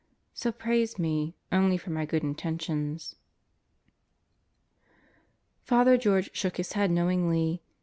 So praise me only for my good intentions. Father George shook his head knowingly.